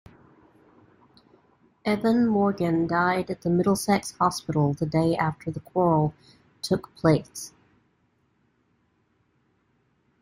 Evan Morgan died at the Middlesex hospital the day after the quarrel took place.